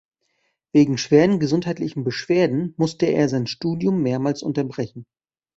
Wegen schweren gesundheitlichen Beschwerden musste er sein Studium mehrmals unterbrechen.